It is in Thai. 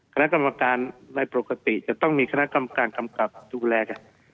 คณะกรรมการในปกติจะต้องมีคณะกรรมการกำกับดูแลกัน